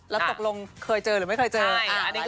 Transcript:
ล่ะตบลงเคยเจอหรือไม่เคยเจอใช่ค่ะ